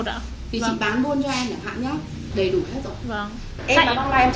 thì chị bán luôn cho em để hãng nhé đầy đủ hết rồi